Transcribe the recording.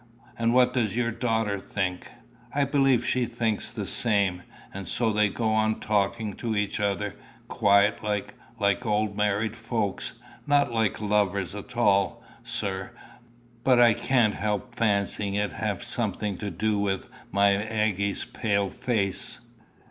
"And what does your daughter think?" "I believe she thinks the same. And so they go on talking to each other, quiet like, like old married folks, not like lovers at all, sir. But I can't help fancying it have something to do with my Aggy's pale face."